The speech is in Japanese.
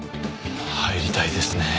入りたいですねえ。